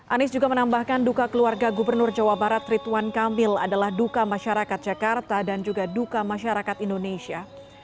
anies juga menambahkan duka keluarga gubernur jawa barat rituan kamil adalah duka masyarakat jakarta dan juga duka masyarakat indonesia